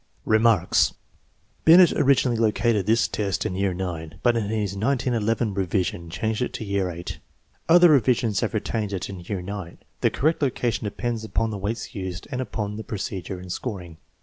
Remarks. Binet originally located this test in year IX, but in his 1911 revision changed it to year VIII. Other revisions have retained it in year IX. The correct location depends upon the weights used and upon the procedure and scoring.